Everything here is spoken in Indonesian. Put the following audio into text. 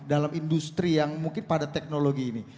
dalam industri yang mungkin pada teknologi ini